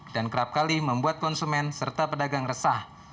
dan kerap kali membuat konsumen serta pedagang resah